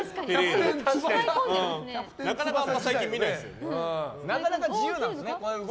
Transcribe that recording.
なかなか最近見ないですよね。